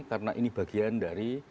karena ini bagian dari